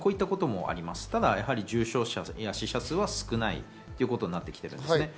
ただ重症者や死者数は少ないということなんですね。